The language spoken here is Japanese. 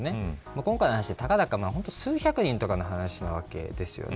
今回の話はたかだか数百人の話なわけですよね。